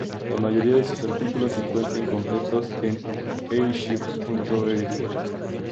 La mayoría de sus artículos se encuentran completos en arXiv.org.